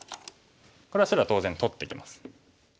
これは白は当然取ってきます。